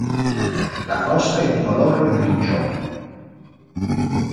La crosta è di color grigio.